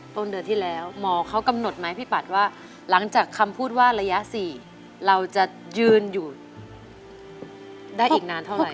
ต้นเดือนที่แล้วหมอเขากำหนดไหมพี่ปัดว่าหลังจากคำพูดว่าระยะ๔เราจะยืนอยู่ได้อีกนานเท่าไห